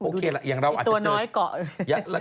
โอเคละอย่างเราอาจจะเจอ